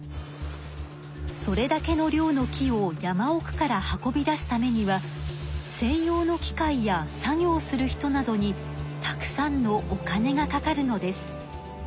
それだけの量の木を山おくから運び出すためには専用の機械や作業する人などにたくさんのお金がかかるのです。